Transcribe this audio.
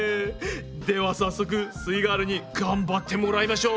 では早速すイガールに頑張ってもらいましょう。